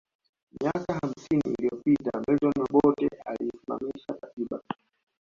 Miaka hamsini liyopita Milton Obote aliisimamisha katiba